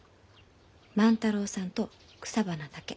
万太郎さんと草花だけ。